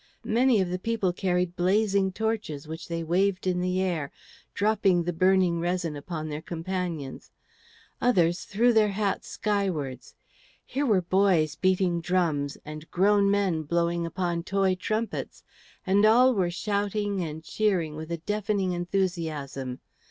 Many of the people carried blazing torches, which they waved in the air, dropping the burning resin upon their companions; others threw their hats skywards; here were boys beating drums, and grown men blowing upon toy trumpets; and all were shouting and cheering with a deafening enthusiasm.